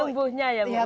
tumbuhnya ya bu mbak seta